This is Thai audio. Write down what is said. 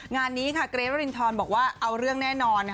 งานนี้ค่ะเกรทวรินทรบอกว่าเอาเรื่องแน่นอน